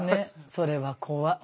それは怖い。